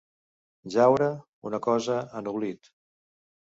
Jaure, una cosa, en oblit.